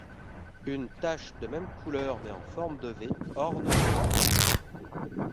Une tache de même couleur mais en forme de V orne son front.